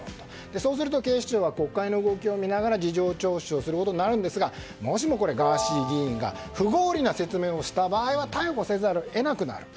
そうすると警視庁は国会の動きを見ながら事情聴取をすることになるんですがもしガーシー議員が不合理な説明をした場合は逮捕せざるを得なくなる。